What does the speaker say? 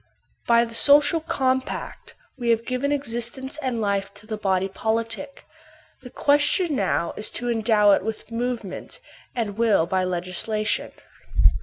By the social compact we have given existence and fife to the body politic ; the question now is to endow it with movement, and will by legislation.